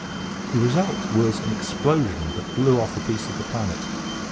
The result was an explosion that blew off a piece of the planet.